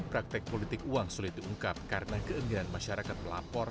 praktik politik uang sulit diungkap karena keenggaraan masyarakat melapor